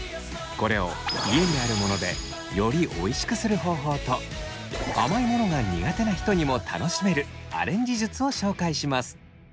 これを家にあるものでよりおいしくする方法と甘いものが苦手な人にも楽しめるアレンジ術を紹介します。